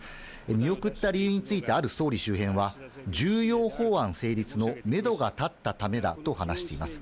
見送った理由についてある総理周辺は、重要法案成立のメドが立ったためだと話しています。